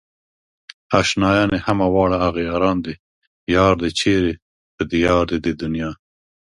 اشنايان يې همه واړه اغياران دي يار دئ چيرې په ديار د دې دنيا